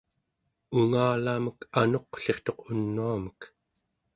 ungalamek anuqlirtuq unuamek